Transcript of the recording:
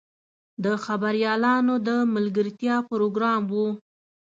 د خبریالانو د ملګرتیا پروګرام و.